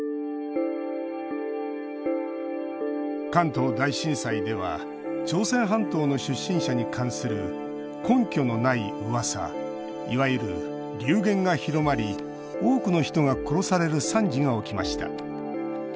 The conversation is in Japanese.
関東大震災では朝鮮半島の出身者に関する根拠のない、うわさいわゆる流言が広まり多くの人が殺される惨事が起きました。